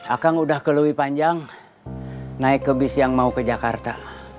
akang udah ke lebih panjang naik ke bis yang mau ke jakarta